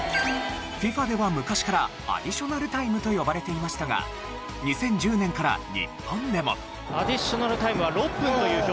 ＦＩＦＡでは昔からアディショナルタイムと呼ばれていましたが２０１０年から日本でも。